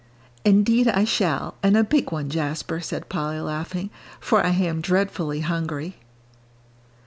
"Indeed I shall, and a big one, Jasper," said Polly, laughing, "for I am dreadfully hungry."